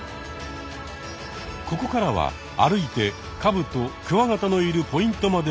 ここからは歩いてカブトクワガタのいるポイントまで向かう。